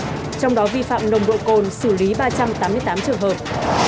trong đó vi phạm nồng độ cồn xử lý ba trăm tám mươi tám trường hợp